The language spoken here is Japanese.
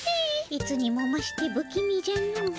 いつにもましてぶ気味じゃの。